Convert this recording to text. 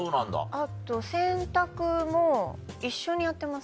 あと洗濯も一緒にやってますね。